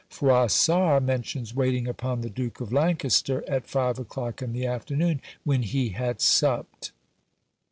Froissart mentions waiting upon the Duke of Lancaster at five o'clock in the afternoon, when he had supped.